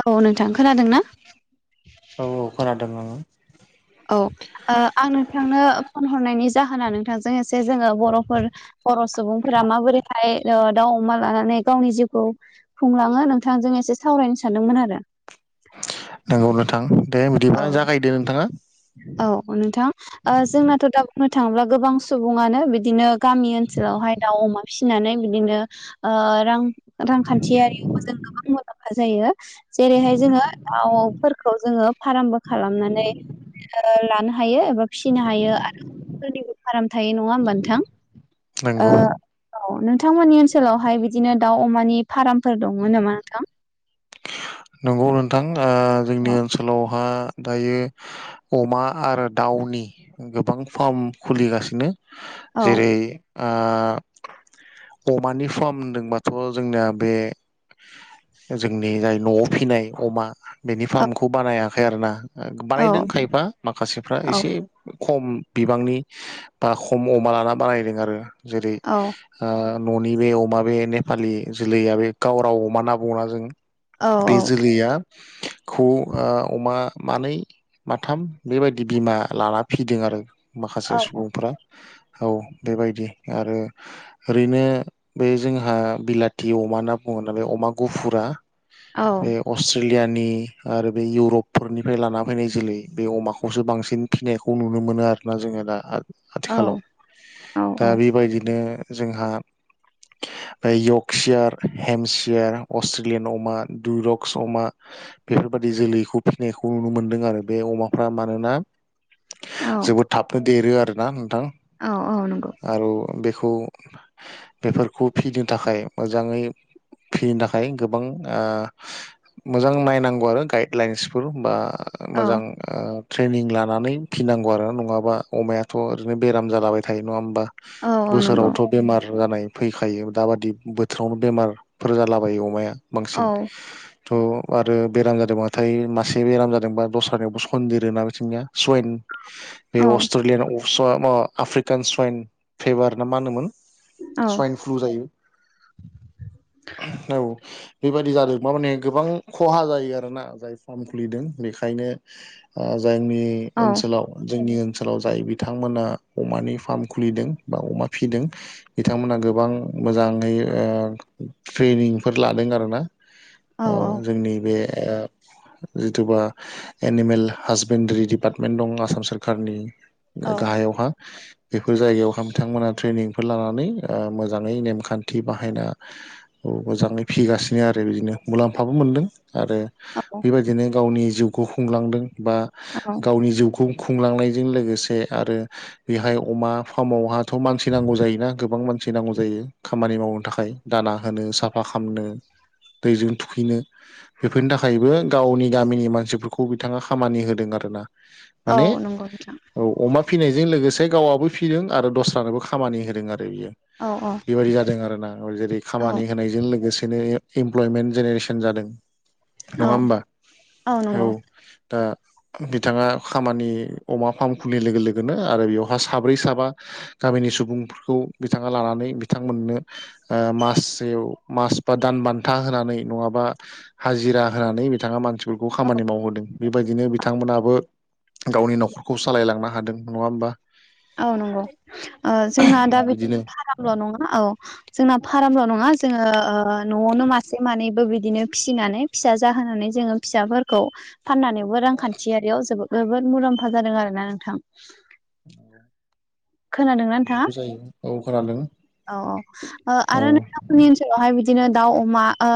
औ नोंथां खोनादों ना? औ औ खोनादों ओं औ ओ आं नोंथांनो फन हरनायनि जाहोना नोंथांजों एसे जोङो बर'फोर बर' सुबुंफोरा माबोरैहाय ओ दाउ अमा लानानै गावनि जिउखौ खुंलाङो नोंथांजों एसे सावरायनो सानदोंमोन आरो। नंगौ नोंथां दे औ बिदिबा जागायदो नोंथाङा औ नोंथां ओ जोंनाथ' दा बुंनो थांब्ला गोबां सुबुङानो बिदिनो गामि ओनसोलावहाय दाउ अमा फिनानै बिदिनो ओ रां रांखान्थियारिफोर जों गोबां मुलाम्फा जायो। जेरैहाय जोङो दाउफोरखौ जोङो फारामबो खालामनानै लानो हायो एबा फिसिनो हायो आरो सोरनिबो फाराम थायो। नङा होमबा नोंथां? आ नंगौ औ नों नोंथांमोननि ओनसोलावहाय बिदिनो दाउ अमानि फार्मफोर दंमोन नामा नोंथां? नंगौ नोंथां ओ जोंनि औ ओनसोलावहा दायो अमा आरो दाउनि गोबां फार्म खुलिगासिनो औ जेरै ओ अमानि फार्म होनदोंबाथ' जोंनाया बे जोंनि जाय न'आव फिसिनाय अमा बेनि औ फार्मखौ बानायाखै आरो ना। ओ बानायदों खायबा माखासेफ्रा औ एसे खम बिबांनि बा खम अमा लाना बानायदों आरो जेरै औ ओ न'नि बे अमा बे नेपालि जोलैया बे गाव राव अमा ना बुंङोना जों औ बे जोलैयाखौ ओ अमा मानै माथाम बेबायदि बिमा लाना फिदों आरो माखासे औ सुबुंफ्रा। औ बेबायदि आरो ओरैनो बे जोंहा बिलाथि अमा होना बुं मोनना बे अमा गुफुरा औ बे अस्ट्रेलियानि आरो बे इउरपफोरनिफ्राय लाना फैनाय जोलै बे अमाखौसो बांसिन फिनायखौ नुनो मोनो आरोना जों जोङो दा आथिखालाव दा औ बेबायदिनो जोंहा यकसियार हेमसियार अस्ट्रेलियान अमा दुरक्स अमा बेफोरबादि जोलैखौ फिसिनायखौ नुनो मोनदों आरो बे अमा फारम आरो ना। [inaudible] औ जोबोद थाबनो देरो आरोना नोंथां औ औ नंगौ आरो बेखौ बेफोरखौ फिनो थाखाय मोजाङै फिनो थाखाय गोबां ओ मोजां नायनांगौ आरो गाइडलाइन्सफोर बा औ मोजां ओ ट्रेनिं लानानै फिनांगौ आरो। नङाबा अमायाथ' ओरैनो बेराम जालाबाय थायो नङा होमबा? औ औ नंगौ बोसोरावथ' बेमार जानाय फैखायो दााबादि बोथोरावनो बेमारफोर जालाबायो अमाया औ बांसिन। थ' आरो बेराम जादोंबाथाय मासे बेराम जादोंबा दस्रानियावबो सनन्देरो ना बिथिंनिया सुवाइन बे औ अस्ट्रेलियान आफ्रिकान सवाइन फेभार ना मा होनोमोन औ सवाइन फ्लु जायो औ। बेबायाददि जादों माने गोबां खहा जायो आरोना जाय फार्म खुलिदों बेखायनो ओ जोंनि औ ओनसोलाव [unintelligible] जोंनि ओनसोलाव जाय बिथांमोना अमानि फार्म खुलिदों बा अमा फिदों बिथांमोना गो गोबां मोजाङै ट्रेनिंफोर लादों आरो ओ औ जोंनि बे जिथुबा एनिमेल हासबेन्ड्रि दिडिपार्टमेन्ट दं आसाम सोरखारनि औ गाहायावहा बेफोर जायगायावहाय बिथांमोनहा ट्रेनिंफोर लानानै मोजाङै नेमखान्थि बाहायना मोजाङै फिगासिनो बिनो आरो बिदिनो मुलाम्फाबो मोनदों आरो बेबायदिनो गावनि जिउखौ खुंलांदों बा औ गावनि जिउखौ खुंलांनायजों लोगोसे आरो बेहाय अमा फार्मावहाथ' मानसि नांगौ जायोना गोबां मानसि फुसिनांगौ जायो खामानि मावनो थाखाय दाना होनो साफा खालामनो। दैजों थुखैनो बेफोरनि थाखायबो गावनि गामिनि मानसिफोरखौ बिथाङा खामानि होदों आरोना। औ माने नंगौ नोंथां। औ अमा फिनायजों लोगोसे गावआबो फिदों आरो दस्रानोबो खामानि होदों आरो बियो। औ औ बेबायाददि जादों आरो ना जेरै औ खामानि होनायजों लोगोसेनो इमप्लयमेन्ट जेनेरेसन जादों औ नङा होमबा औ दा बिथाङा खामानि अमा फार्म खुलिनाय लोगो लोगोनो आरो बेवहााय साब्रै साबा गामिनि सुबुंफोरखौ बिथाङा लानानै बिथांमोननो मास मास बा दान बान्था होनानै नङाबा हाजिरा होनानै बिथाङा मानसिफोरखौ खामानि मावहोदों। बेबायदिनो बिथांमोनाबो गावनि न'खरखौ सालायलांनो हादों नङा होमबा। औ नंगौ ओ जोंना दा बे बिदिनो फारामल' नङा औ जोंना फारामल' नङा जोंङो न'आवनो मासे मानैबो बिदिनो फिसिनानै फिसा जाहोनानै जोङो फिसाफोरखौ फाननानै ब रांखान्थियारियाव जोबो जोबोद मुलाम्फा जादों आरोना नोंथां। खोनादोंना नोंथाङा बिदिबो जायो औ खोनादों औ औ आरो नोंथांनि ओनसोलावहाय बिदि बिदिनो दाउ अमा ओ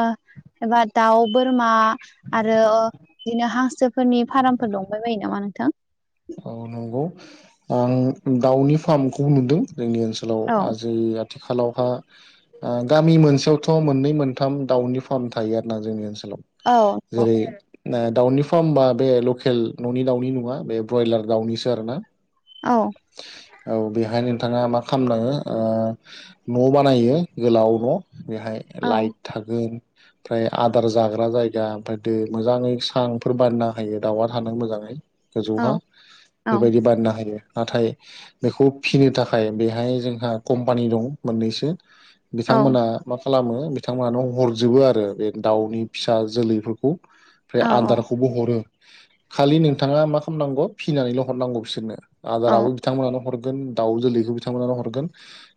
एबा दाउ बोरमा आरो बिदिनो हांसोफोरनि फार्मफोर दंबाय बायो नामा नोंथां? औ नंगौ आं दाउनि फार्मखौ नुदों। जोंनि ओनसोलाव औ आजै आथिखालावहा ओ गामि मोनसेयावथ' मोननै मोनथाम दाउनि फार्म थायो आरो ना जोंनि ओनसोल औ दाउनि फार्मबा बे लकेल न'नि दाउनि नङा बे ब्रयलार दाउनिसो आर ना। औ औ बेहाय नोंथाङा मा खालामनाङो ओ न' बानायो गोलाव न' बेहाय औ लाइट थागोन ओमफ्राय आदार जाग्रा जायगा ओमफ्राय दै मोजाङै सांफोर बानना होयो दाउआ थानो मोजाङै गोजौहा औ बेबायदि बाननो हायो। नाथाय बेखौ फिनो थाखाय बेहाय जोंहा कम्पानि दं मोननैसो बिथांमोना मा खालामो बिथांमोनानो हरजोबो आरो बे दाउनि फिसा जोलैफोरखौ। ओमफ्राय औ आदारखौबो हरो। खालि नोंथाङा मा खालामनांगौ फिनानैल' हरनांगौ बिसोरनो आदाराबो बिथांमोनानो हर दाउ जोलैखौ बिथांमोन हरगोन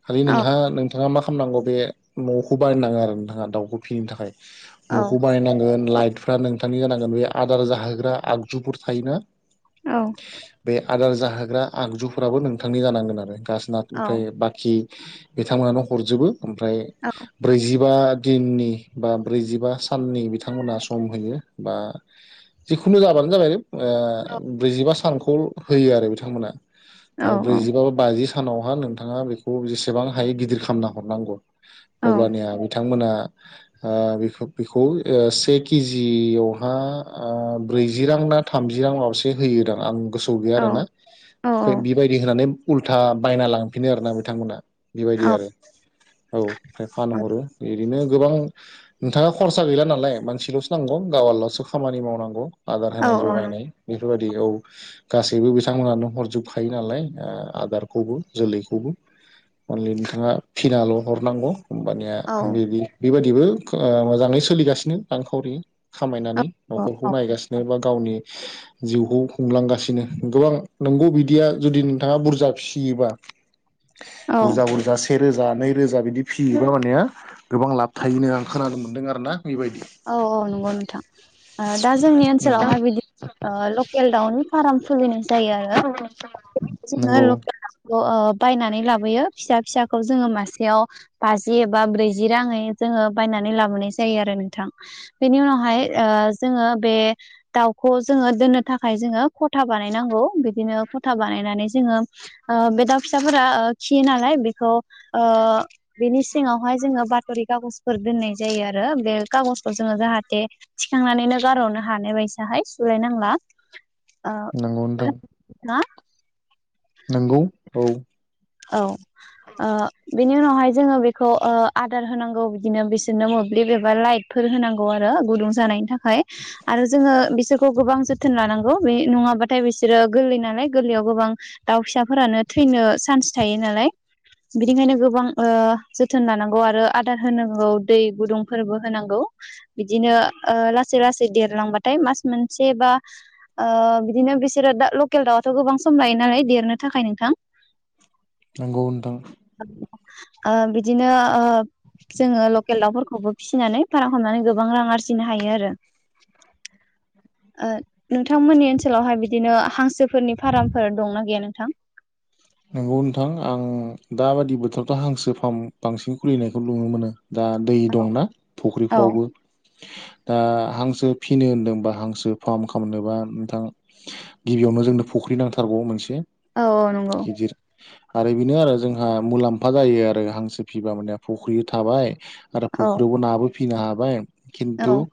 खालि औ नों नोंथाङा मा खालामनांगौ बे न'खौ बानायनाांगो आरो नोंथाङा दाउखौ फिनो थाखाय न'खौ बानायनांगोन लाइ फ्रा नोंथांनि जानांगोन बे आदार जाहोग्रा आगजुफोर थायोना। औ बे आदार जाहोग्रा आगजुफोराबो नोंथांनि जानांगोन आरो गासोन औ ओमफ्राय बाखि बिथांमोनानो हरजोबो ओमफ्राय औ ब्रैजिबा दिननि बा ब्रैजिबा साननि बिथांमोना सम होयो बा जिखुनु जाबानो जाबाय ओ औ ब्रैजिबा सानखौ होयो आरो बिथांमोना औ ब्रैजिबा बा बाजि सानावहा नोंथाङा बेखौ जेसेबां हायो गिदिर खालामामना हरनांगौ औ अब्लानिया बिथांमोना अ बेखौ बेखौफ ओ से केजियावहा ओ ब्रैजि रां। थामजि रां लबों होयोदां आं गोसोआव गैया आरोना औ औ बिबायदि होनानै उल्था बायना लांफिनो आरोना बिथांमोना। बेबायदि औ आरो औ आमफ्राय फानहरो बेदिनो गोबां नोंथाङा खरसा गैला नालाय मानसिलसो नांगौ गावालसो खामानि मावनांगौ। आदार औ होनाय जगायनाय बेफोरबादि औ गासैबो बिथांमोनानो हरजोबखायो नालाय ओ आदारखौबो जोलैखौबो अनलि नोंथाङा फिनाल हरनांगौ होमबानिया औ बिदि बेबादिबो ओ मोजाङै सोलिगासिनो रांखावरि खामायनानै। नखरखौ नायगासिनो बा गावनि जिउखौ खुंलांगासिनो गोबां नोंगौ बिदिया जुदि नोंथाङा बुरजा फिसियोबा औ बुरजा बुरजासि से रोजा नै रोजा बिदि फियोबा माने गोबां लाब थायोनो आं खोनानो मोनदों आरो ना। बेबायदि औ औ नंगौ नोंथां ओ दा जोंनि नोंथां ओनसोलावहाय बिदि ओ लकेल दाउनि फार्म खुलिनाय जायो आरो जोंङो नंगौ लकेल दाव ओ-ओ बायनानै लाबोयो फिसा फिसाखौ जोंङो मासेयाव बाजि एबा ब्रैजि रांङै जों ओ बायनानै लाबोनाय जायो आरो नोंथां। बेनि उनावहाय ओ जोंङो बे दावखौ जोंङो दोननो थाखाय जोंङो कथा बानायनांगौ बिदिनो खथा बानायनानै जोंङो ओ बे दाव फिसाफोरा ओ खियो नालाय बिखौ ओ बेनि सिङावहाय जोंङो बाथरि खागजफोर दोननाय जायो आरो बे खागजखौ जोंङो जाहाथे थिखांनानैनो गारहनो हानाय बायसाहाय सुलायनांला। ओ नोंगौ नोंथां खोनादोंना नंगौ औ औ ओ बिनि उनावहाय जोंङो बेखौ आदार होनांगौ बिदिनो बिसोरनो मोब्लिब एबा लाइट फोर होनांगौ आरो गुदुं जानायनि थाखाय आरो जोंङो बिसो खौ गोबां जोथोन लानांगौ बे नङाबाथाय बिसोरो गोरलै नालाय गोरलैयाव गोबां दाउ फिसाफोरानो थै फैनो चान्स थायो नालाय बिनिखायनो गोबां ओ जोथोन लानांगौ आरो आदार होनांगौ दै गुदुंफोरबो होनांगौ। बिदिनो ओ लासै लासै देरलांबाथाय मास मोनसे बा ओ बिदिनो बिसर दा लकेल दावफोरा गोबां सम लायो नालाय देरनो थाखाय। नंगौ नोंथां ओ बिदिनो ओ जोंङो लकेल दावफोरखौबो फिसिनानै फाराम खालामनानै गोबां रां आरजिनो हायो आरो ओ नोंथांमोननि ओनसोलावहाय बिदिनो हांसोफोरनि फार्मफोर दंना गैया नोंथां? [inaudible] नंगौ नोंथां आं दाबायदि बोथोरावथ हांसो फार्म बांसिन खुलिनायखौ नुनो मोनो। दा दै औ दंना औ फख्रिफोरावबो दा हांसो फिनो होनदोंबा हांसो फार्म खालामनोबा नोंथां गिबियावनो जोंनो फुख्रि नांथारगौ मोनसे औ औ गिदिर आरो बेनो आरो जोंहा मुलाम्फा जायो आरो हांसो फिबा माने फुख्रि थाबाय। आरो औ फुख्रियावबो नाबो फिनो हाबाय खिन्थु औ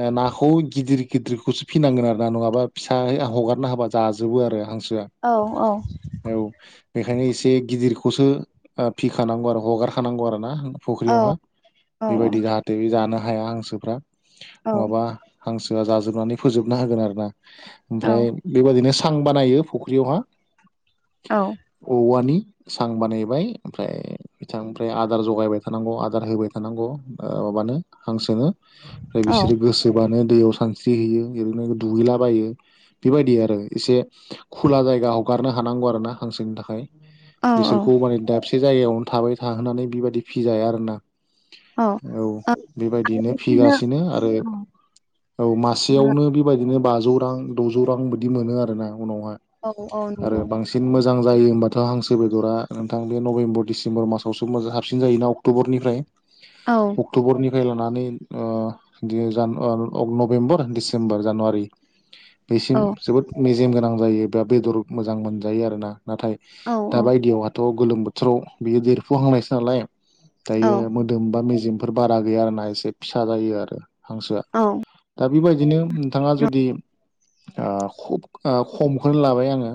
ओ नाखौ गिदिर गिदिरखौसो फिनांगोन आरो ना नङाबा फिसाहगार ना होबा जाजोबगोन आरो हांस औ औ बेखायनो एसे गिदिरखौसो फिखानांगौ आरो हगारखानांगौ आरो ना औ फुख्रियावहा औ बेबायदि जाहाथे बे जानो हाया हांसोफ्रा औ नङाबा हांसोआ जाजोबनानै फोजोबना होगोन आरो ना औ ओमफ्राय बेबायादिनो सां बानायो फुख्रियावहा औवानि। सां बानायबाय ओमफ्राय बिथां ओमफ्राय आदार जगायबाय थानांगौ आदार होबाय थानांगौ। माबानो हांसोनो ओमफ्राय बिसोरो गोसोबानो। दैयाव सानस्रि हैैयो ओरैनो दुगैलाबायो बेबायदि आरो एसे खुला जायगा हगारनो हानांगौ आरोना हांसोनि थाखाय औ बिसोरखौ माने‌ दाबसे जायगायावनो थाबाय थाहोनानै बिबायदि फिजाया आरो ना औ, बेबायदियैनो बेबायदिनो फिगासिनो आरो औ औ मासेयावनो बेबायदिनो बाजौ रां, द'जौ रां बिदि मोनो आरोना उनावहाय औ औ आरो नंगौ बांसिन मो जां जायो होमबाथाय हांसो बेदरा नोंथां बे नभेम्बर दिसेम्बर मासावसो मोजां साबसिन जायोना अक्ट'बरनिफ्राय औ अक्ट'बरनि फ्राय लानानै ओ नभेम्बर, डिसेम्बर, जानुवारि बेसिम औ जोबोद मेजेम गोनां जायो बा बेदर मोजां मोनजायो आरोना। नाथाय औ दा बायदियावहाथ' गोलोम बोथोराव बियो देरफुहांनायसो नालाय औ दायो मोदोम बा मेजेमफोर बारा गैया आरोना एसे फिसा जायो आरो। हांसोआ औ औ दा बेबायदिनो नोंथाङा जुदि ओ खुब ओ खमखौनो लाबाय आङो।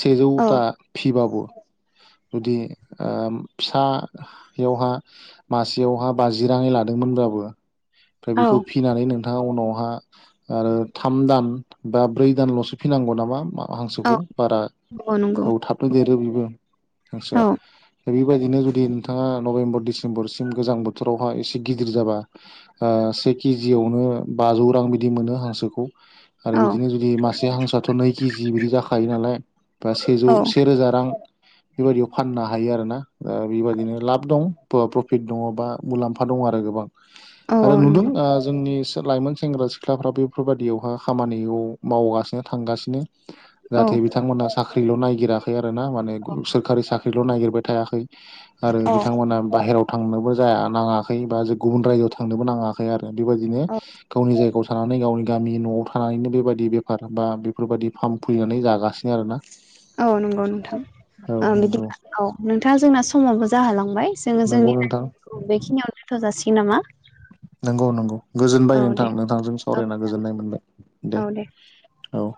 सेजौथा फिबाबो। [inaudible] जुदि ओ फिसायावहा मासेयावहा बाजि राङै लादोंमोन ब्लाबो ओमफाय बेखौ फिनानै नोंथाङा उनाव आरो थाम दान बा ब्रै दानल'सो फिनांगौ नामा औ हांसोखौ? बारा औ थाबनो देरो बेबो हांसोआ औ दा बेबायदिनो जुदि नोंथाङा नभेम्बर, डिसेम्बरसिम गोजां बोथोरावहााय एसे गिदिर जाबा ओ से केजियावनो बाजौ रां बिदि मोनो हांसोखौ। आरो औ बिदिनो जुदि मासे हांसोआथ' नै केजि बिदि जाखा यो नालाय बा सेजौ औ से औ रोजा रां [inaudible] बेबायदियाव फाननो हायो आरोना ओ बेबायदिनो लाब दं प्रफिट दङ बा मुलाम्फा दङ आरो गोबां। आरो औ नुदों नंगौ ओ जोंनि लाइमोन सेंग्रा-सिख्लाफ्रा बेफोर बायादियावहाय खामानियाव मावगासिनो थांगासिनो औ जाहाथे बिथांमोना साख्रिल' नायगिराखै आरो ना माने सोरखारि साख्रिल' नायागिरबाय थायाखै। आरो औ बिथांमोना बाहेरायाव थांनोबो जाया नाङाखै बा गुबुन रायजोआव थांनोबो नाङाखै आरो बेबायदिनो औ गावनि जायगायाव थानानै गावनि गामि न'आव थानानैनो बेबायदि बेफार बा बेफोरबायदि फार्म खुलिनानै जागासिनो आरोना। औ नंगौ नोंथां, औ ओ नंगौ बिदिब्ला औ नोंथाङा जोंना समावबो जाहोलांबाय जोङो नंगौ जोंनि नोंथां रायलायनायखौ बेखिनियावनो‌ दोन्थ'जासिगोन नामा? नोंगौ नोंगौ औ गोजोनबाय नोंथां, दे नोंथांजों औ सावरायना गोजोननाय मोनबाय दे। औ